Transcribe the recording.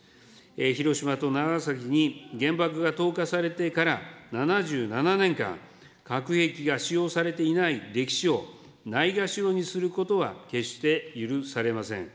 広島と長崎に原爆が投下されてから７７年間、核兵器が使用されていない歴史をないがしろにすることは決して許されません。